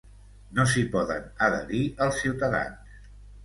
No s'hi poden adherir els ciutadans.